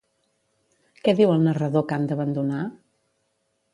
Què diu el narrador que han d'abandonar?